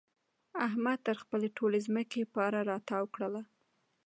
احمد تر خپلې ټولې ځمکې باره را تاو کړله.